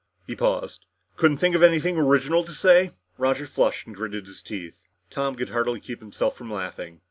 He paused. "Couldn't you think of anything original to say?" Roger flushed and gritted his teeth. Tom could hardly keep himself from laughing.